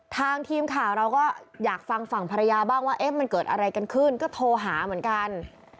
ทางทีมข่าวเราก็อยากฟังฝั่งภรรยาบ้างว่าเอ๊ะมันเกิดอะไรกันขึ้นก็โทรหาเหมือนกัน